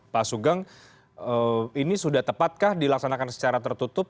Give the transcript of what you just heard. pak sugeng ini sudah tepatkah dilaksanakan secara tertutup